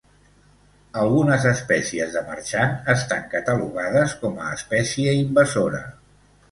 Algunes espècies de marxant estan catalogades com a espècie invasora.